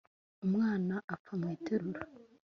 umwana apfa mu iterura